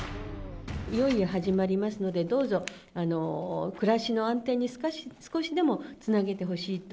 いよいよ始まりますので、どうぞ、暮らしの安定に少しでもつなげてほしいと。